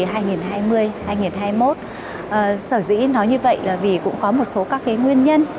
hội đồng bảo an liên hợp quốc hai nghìn hai mươi một sở dĩ nói như vậy là vì cũng có một số các cái nguyên nhân